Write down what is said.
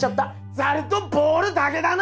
ザルとボウルだけだな！